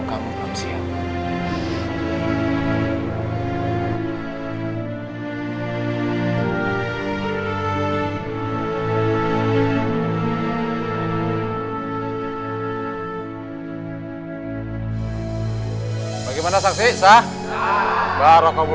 kamu menikahlah dengan aku